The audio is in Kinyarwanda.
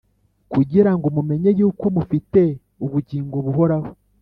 kugira ngo mumenye yuko mufite ubugingo buhoraho.